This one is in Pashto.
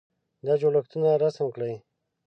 دا جوړښتونه رسم کړئ.